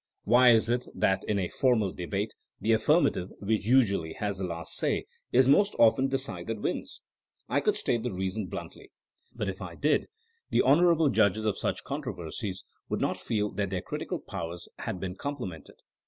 Why is it that in a formal debate, the affirmative, which usually has the last say, is most often the side that winsl I could state the reason bluntly. But if I did the honorable judges of such controversies would not feel that their critical powers had been complimented.